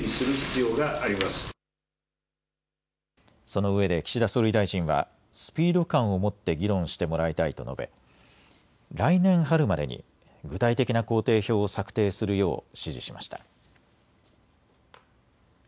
そのうえで岸田総理大臣はスピード感を持って議論してもらいたいと述べ来年春までに具体的な工程表を策定するよう指示しました。